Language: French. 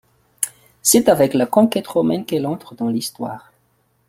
C’est avec la conquête romaine qu’elle entre dans l’histoire.